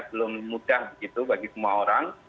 belum mudah begitu bagi semua orang